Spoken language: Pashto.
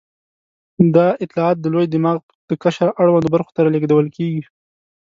دا اطلاعات د لوی دماغ د قشر اړوندو برخو ته لېږدول کېږي.